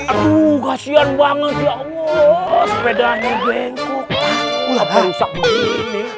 aduh kasihan banget ya allah sepedanya gengkuk apa rusak begini